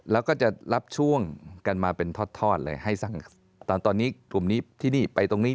แล้วก็จะรับช่วงกันมาเป็นทอดเลยให้ตอนนี้กลุ่มนี้ที่นี่ไปตรงนี้